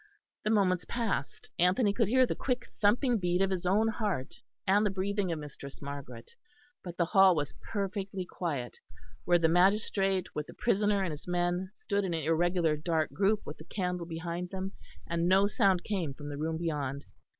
The moments passed; Anthony could hear the quick thumping beat of his own heart, and the breathing of Mistress Margaret; but the hall was perfectly quiet, where the magistrate with the prisoner and his men stood in an irregular dark group with the candle behind them; and no sound came from the room beyond.